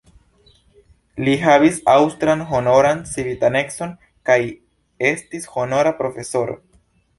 Li havis aŭstran honoran civitanecon kaj estis honora profesoro.